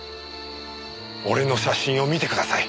俺の写真を見てください。